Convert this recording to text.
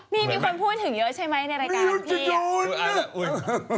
นี่มีคนพูดถึงเยอะใช่ไหมในรายการพี่อ่ะ